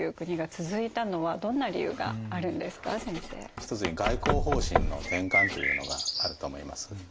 一つに外交方針の転換というのがあると思います。